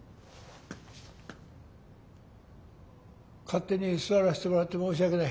勝手に座らせてもらって申し訳ない。